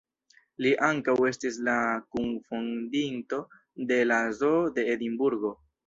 Li ankaŭ estis la kunfondinto de la zoo de Edinburgo.